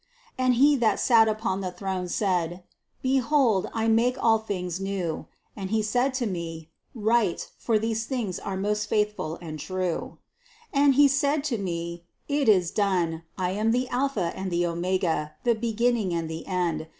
5. And He that sat upon the throne said : Behold I make all things new. And He said to me : Write, for these things are most faithful and true. 198 THE CONCEPTION 199 6. And He said to me : It is done ; I am the Alpha and the Omega; the beginning and the end.